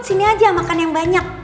sini aja makan yang banyak